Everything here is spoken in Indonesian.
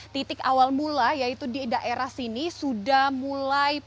titik awal mula yaitu di daerah sini sudah mulai